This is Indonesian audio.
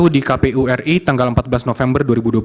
di kpu ri tanggal empat belas november